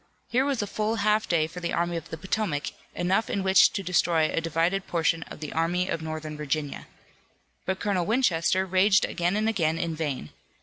Here was a full half day for the Army of the Potomac, enough in which to destroy a divided portion of the Army of Northern Virginia. But Colonel Winchester raged again and again in vain.